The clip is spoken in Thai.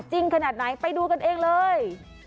ขนาดไหนไปดูกันเองเลย